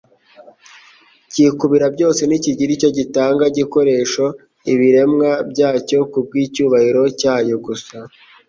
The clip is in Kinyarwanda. cyikubira byose ntikigire icyo gitanga, gikoresha ibiremwa byacyo kubw'icyubahiro cyayo gusa,